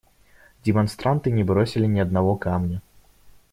Демонстранты не бросили ни одного камня.